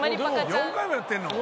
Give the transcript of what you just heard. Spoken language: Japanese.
「４回もやってるの？」